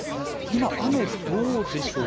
今、雨どうでしょう？